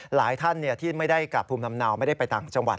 หลายท่านที่ไม่ได้กลับภูมิลำเนาไม่ได้ไปต่างจังหวัด